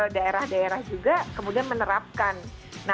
daerah daerah juga kemudian menerapkan